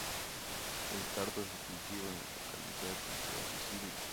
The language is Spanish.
El cardo se cultiva en la localidad desde hace siglos.